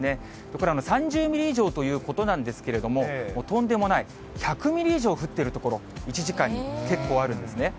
これ３０ミリ以上ということなんですけれども、とんでもない、１００ミリ以上降ってる所、１時間に、結構あるんですね。